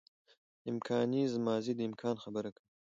امکاني ماضي د امکان خبره کوي.